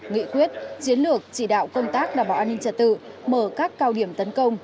nghị quyết chiến lược chỉ đạo công tác đảm bảo an ninh trật tự mở các cao điểm tấn công